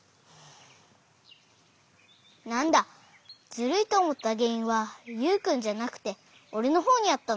なんだズルいとおもったげんいんはユウくんじゃなくておれのほうにあったのか。